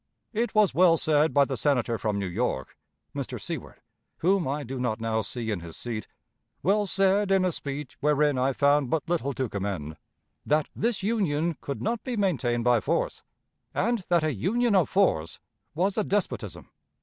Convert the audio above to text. It was well said by the Senator from New York [Mr. Seward], whom I do not now see in his seat well said in a speech wherein I found but little to commend that this Union could not be maintained by force, and that a Union of force was a despotism.